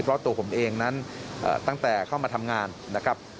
เพราะตัวผมเองนั้นตั้งแต่เข้ามาทำงานนะครับ